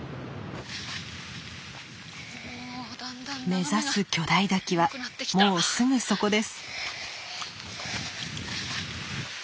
目指す巨大滝はもうすぐそこです。